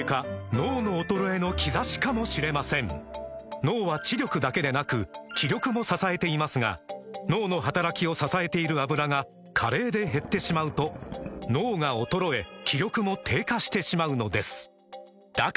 脳の衰えの兆しかもしれません脳は知力だけでなく気力も支えていますが脳の働きを支えている「アブラ」が加齢で減ってしまうと脳が衰え気力も低下してしまうのですだから！